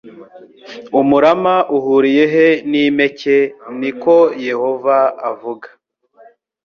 Umurama uhuriye he n impeke ni ko Yehova avuga